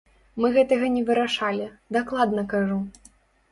Мы гэтага не вырашалі, дакладна кажу.